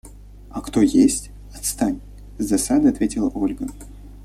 – А кто есть? – Отстань! – с досадой ответила Ольга.